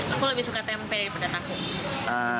aku lebih suka tempe pada tahu